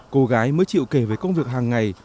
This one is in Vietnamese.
cô gái mới chịu kề với công việc hàng ngày